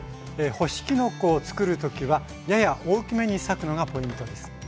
干しきのこをつくる時はやや大きめに裂くのがポイントです。